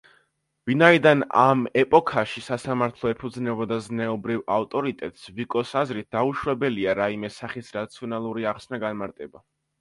ვინაიდან ამ ეპოქაში სასამართლო ეფუძნებოდა ზნეობრივ ავტორიტეტს, ვიკოს აზრით, დაუშვებელია რაიმე სახის რაციონალური ახსნა-განმარტება.